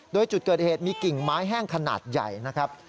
โดยจุดเกิดเหตุมีกิ่งไม้แห้งขนาดใหญ่นะครับ